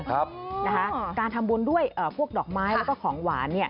การทำบุญด้วยพวกดอกไม้แล้วก็ของหวาน